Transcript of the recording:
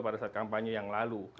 pada saat kampanye yang lalu